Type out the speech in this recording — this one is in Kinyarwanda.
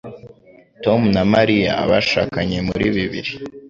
Tom na Mariya bashakanye muri bibiri